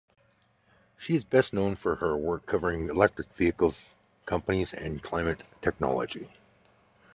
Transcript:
She is best known for her work covering electric vehicle companies and climate technology.